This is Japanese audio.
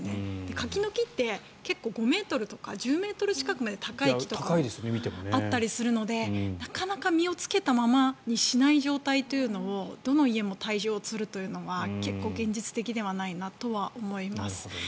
柿の木って、結構５ｍとか１０ｍ近くまで高い木もあったりするのでなかなか、実をつけたままにしない状態というのをどの家も対応するのは現実的ではないなと思います。